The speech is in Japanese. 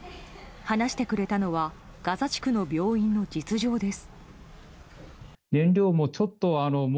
話してくれたのはガザ地区の病院の実情です。